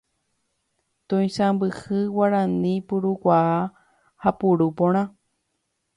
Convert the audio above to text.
Toisãmbyhy Guarani purukuaa ha puru porã.